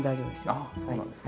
あぁそうなんですね。